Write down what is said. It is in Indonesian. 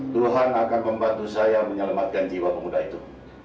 tuhan akan membantu saya menyelamatkan jiwa pemuda itu